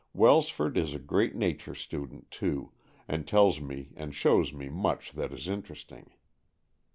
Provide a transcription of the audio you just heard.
Welsford is a great Nature student, too, and tells me and shows me much that is interesting.